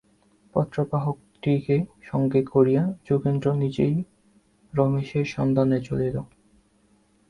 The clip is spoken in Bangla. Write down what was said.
পত্রবাহকটিকে সঙ্গে করিয়া যোগেন্দ্র নিজেই রমেশের সন্ধানে চলিল।